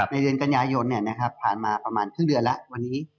ในเดือนกัญญายนเนี่ยนะครับผ่านมาประมาณครึ่งเดือนแล้ว